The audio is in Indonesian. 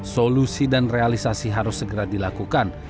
solusi dan realisasi harus segera dilakukan